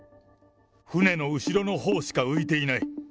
船の後ろのほうしか浮いていない。